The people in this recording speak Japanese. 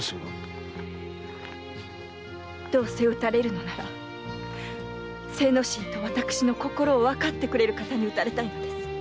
どうせ討たれるのなら精之進と私の心をわかってくれる方に討たれたいのです。